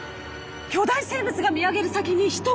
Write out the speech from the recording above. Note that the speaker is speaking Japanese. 巨大生物が見上げる先に人影が！」。